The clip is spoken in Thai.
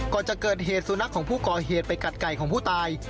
ก่อนจะเกิดเหตุสุนัขของผู้ก่อเหตุไปกัดไก่ของผู้ตาย